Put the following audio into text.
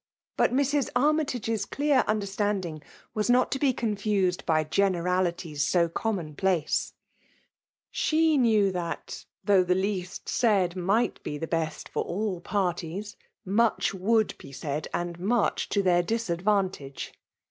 But Mrs. Armytage's clear understandbg was not to be confused by generalities so com* mon place. ISke knew thnt^ though the least said nigfal be best for all parties, much woulS be said, and much to their disadvantage.